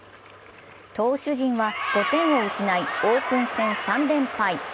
投手陣は５点を失い、オープン戦３連敗。